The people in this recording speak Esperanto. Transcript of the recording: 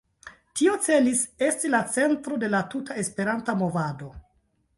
Tio celis esti la centro de la tuta Esperanta movado.